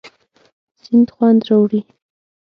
سیند خوند راوړي.